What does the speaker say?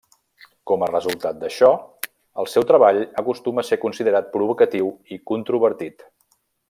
Com a resultat d'això, el seu treball acostuma a ser considerat provocatiu i controvertit.